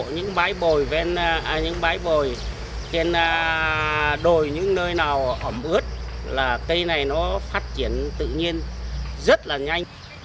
những bãi bồi trên đồi những nơi nào ẩm ướt là cây này nó phát triển tự nhiên rất là nhanh